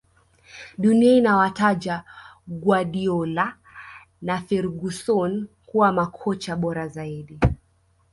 dunia inawataja guardiola na ferguson kuwa makocha bora zaidi